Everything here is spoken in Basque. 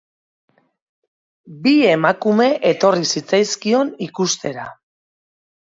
Bi emakume etorri zitzaizkion ikustera.